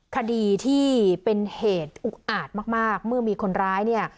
คดีที่เป็นเหตุอุกอาจมากมากเมื่อมีคนร้ายเนี่ย